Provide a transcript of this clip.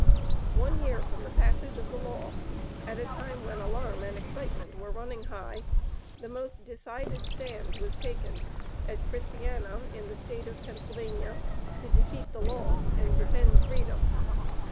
One year from the passage of the law, at a time when alarm and excitement were running high, the most decided stand was taken at Christiana, in the State of Pennsylvania, to defeat the law, and defend freedom.